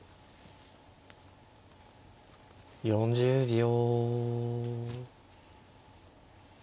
４０秒。